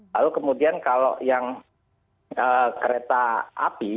lalu kemudian kalau yang kereta api